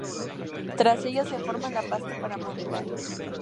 Tras ello se forma la pasta para modelar.